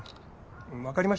わかりました。